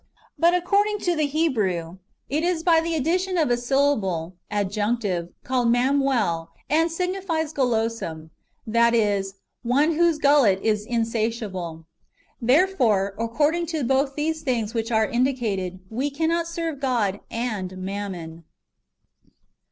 But according to the Hebrew, it is by the addition of a syllable (adjunctive) called Mamuel,* and signifies gulosiiuiy that is, one whose gullet is insatiable. Therefore, accordino to both these things which are indicated, we cannot serve God and mammon.